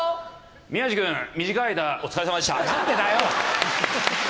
宮治君、短い間お疲れさまでなんでだよ！